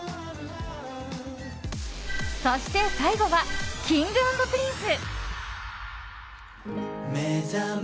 そして、最後はＫｉｎｇ＆Ｐｒｉｎｃｅ。